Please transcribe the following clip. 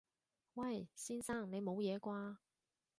喂！先生！你冇嘢啩？